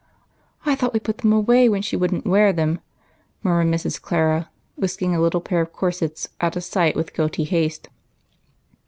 " I thought we put them away when she would n't wear them," murmured Mrs. Clara, whisking a little pair of corsets out of sight, with guilty haste.